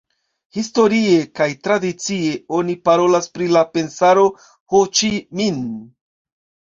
Historie kaj tradicie oni parolas pri la Pensaro Ho Ĉi Minh.